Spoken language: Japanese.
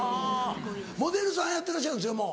モデルさんやってらっしゃるんでしょもう。